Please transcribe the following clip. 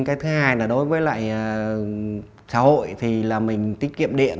cái thứ hai là đối với lại xã hội thì là mình tiết kiệm điện